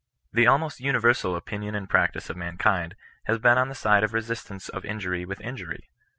The almost universal opinion and practice of mankind has been on the side of resistance of injury with injury.